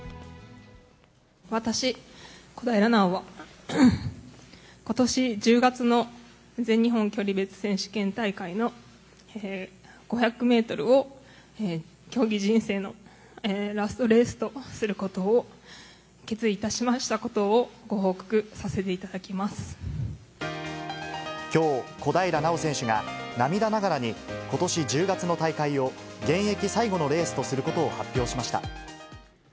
私、小平奈緒は、ことし１０月の全日本距離別選手権大会の５００メートルを、競技人生のラストレースとすることを決意いたしましたことをご報きょう、小平奈緒選手が涙ながらに、ことし１０月の大会を、現役最後のレースとすることを発表しました。